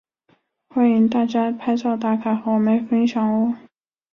欢迎大家拍照打卡和我们分享喔！